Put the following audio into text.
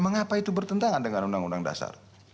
mengapa itu bertentangan dengan undang undang dasar